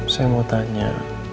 saya mau tanya